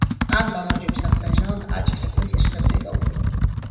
ამ გამარჯვების აღსანიშნავად აჭის ეკლესიას შესაწირი გაუკეთა.